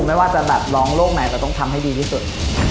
ไม่ว่าจะแบบร้องโลกไหนเราต้องทำให้ดีที่สุด